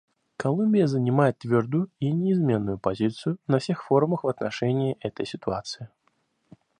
Колумбия занимает твердую и неизменную позицию на всех форумах в отношении этой ситуации.